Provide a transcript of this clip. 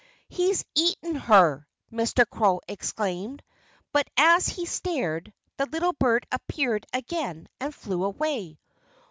"He's eaten her!" Mr. Crow exclaimed. But as he stared, the little bird appeared again and flew away.